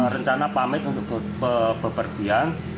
rencana pamit untuk pepergian